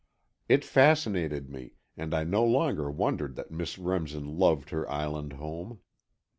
It fascinated me, and I no longer wondered that Miss Remsen loved her island home.